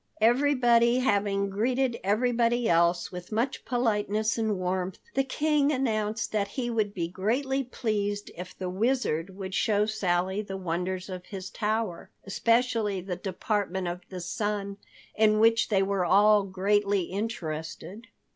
Everybody having greeted everybody else with much politeness and warmth, the King announced that he would be greatly pleased if the Wizard would show Sally the wonders of his tower, especially the Department of the Sun, in which they were all greatly interested.